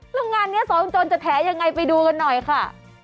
ลงงานนี้สองโจนจะแถอย่างไรไปดูกันหน่อยค่ะ